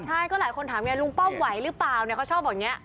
ใช่ก็หลายคนถามไงลุงป้อมไหวหรือเปล่าเนี่ยเขาชอบอย่างนี้